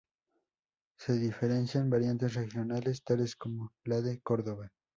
Se diferencian variantes regionales, tales como la de Córdoba.